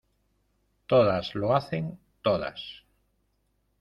todas lo hacen, todas.